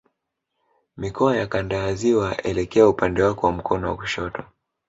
Mikoa ya Kanda ya Ziwa elekea upande wako wa mkono wa kushoto